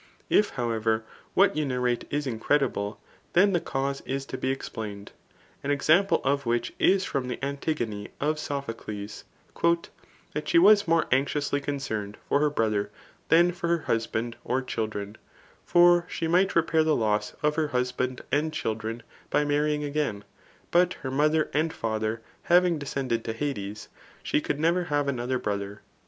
If, however, what you narrate is incredible^ then die cause is to be explained ; an example of wfaich is from the Antigone of Sophocles, ^ That she was more anxiously concerned for her brother, than for her hus band or children ; for she might repair the loss of her hu^and and children [by marrying again;] but her motha: and £aither having descended to Hades, she could never have another brother.''